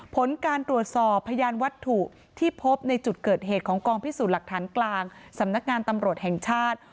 ผลการตรวจสอบพยานวัตถุที่พบในจุดเกิดเหตุของกองพิสูจน์หลักฐานกลางสำนักงานตำรวจแห่งชาติ